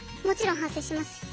もちろん発生します。